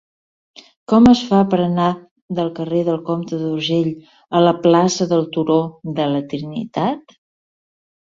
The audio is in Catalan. Com es fa per anar del carrer del Comte d'Urgell a la plaça del Turó de la Trinitat?